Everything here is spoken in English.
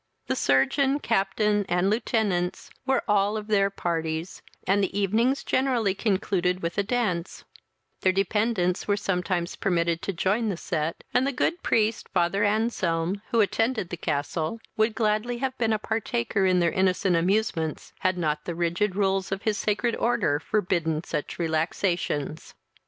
The surgeon, captains, and lieutenants, were all of their parties, and the evenings generally concluded with a dance: their dependents were sometimes permitted to join the set, and the good priest, Father Anselm, who attended the castle, would gladly have been a partaker in their innocent amusements, had not the rigid rules of his sacred order forbidden such relaxations.